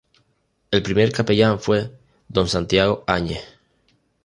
El primer capellán fue D. Santiago Añez.